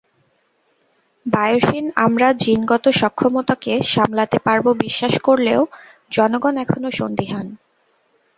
বায়োসিন আমরা জিনগত সক্ষমতাকে সামলাতে পারবো বিশ্বাস করলেও, জনগণ এখনো সন্দিহান।